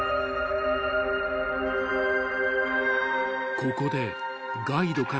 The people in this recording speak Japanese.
［ここでガイドから］